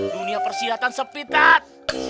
dunia persihatan sepi ustadz